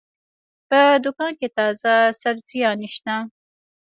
په دوکان کې تازه سبزيانې شته.